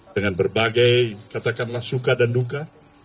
dengan berbagai katakanlah suka dan duka